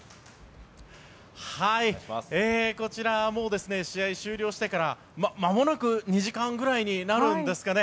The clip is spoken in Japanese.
こちらはもう試合が終了してからまもなく２時間くらいになるんですかね。